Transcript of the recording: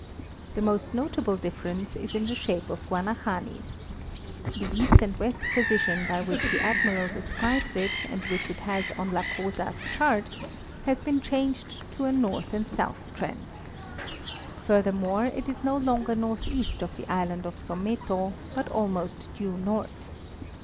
The most notable difference is in the shape of Guanahani. 'The east and west position by which the Admiral describes it and which it has on la Cosa's chart has been changed to a north and south trend. Furthermore, it is no longer northeast of the island of. Someto, but almost due north.